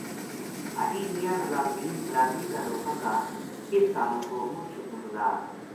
حاجی میاں نظام دین بلادری کا لوکاں کا اس تعاون کو مُچ شکر گُزار